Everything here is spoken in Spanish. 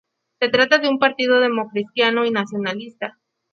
Se trata de un partido democristiano y nacionalista.